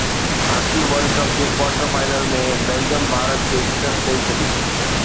hockey world cup جي quarter final ۾ Belgium Bharat کي شڪست ڏئي ڇڏي